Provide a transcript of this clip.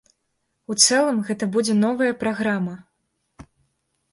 У цэлым гэта будзе новая праграма.